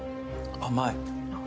甘い。